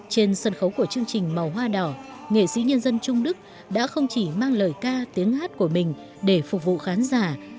trên sân khấu của chương trình màu hoa đỏ nghệ sĩ nhân dân trung đức đã không chỉ mang lời ca tiếng hát của mình để phục vụ khán giả